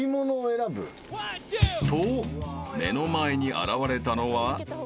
［と目の前に現れたのは］